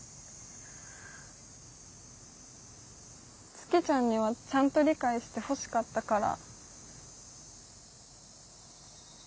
月ちゃんにはちゃんと理解してほしかったから。